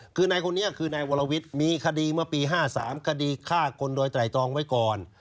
คือนายคนนี้คือนายวรวิทย์มีคดีเมื่อปี๕๓คดีฆ่าคนโดยไตรตรองไว้ก่อน